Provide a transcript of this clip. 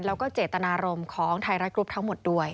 แล้วก็เจตนารมณ์ของไทยรัฐกรุ๊ปทั้งหมดด้วย